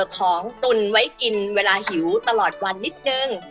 ของตุนไว้กินเวลาหิวตลอดวันนิดนึง